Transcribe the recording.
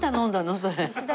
それ。